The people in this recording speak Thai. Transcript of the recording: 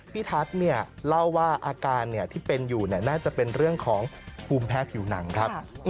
พี่ทัศน์เล่าว่าอาการที่เป็นอยู่น่าจะเป็นเรื่องของภูมิแพ้ผิวหนังครับ